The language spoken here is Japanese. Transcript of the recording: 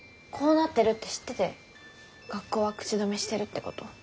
こうなってるって知ってて学校は口止めしてるってこと？